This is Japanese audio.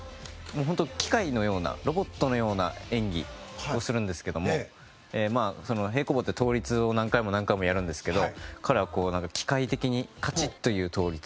機械のようなロボットのような演技をするんですけども平行棒って、倒立を何回も何回もやるんですけど彼は機械的にカチッという倒立。